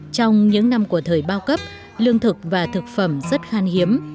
trong những năm của thời bao cấp lương thực và thực phẩm rất khan hiếm